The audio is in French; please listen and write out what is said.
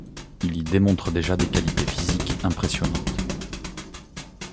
Il y démontre déjà des qualités physiques impressionnantes.